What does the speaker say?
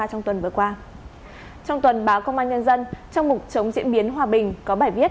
thu phí tự động không dừng etc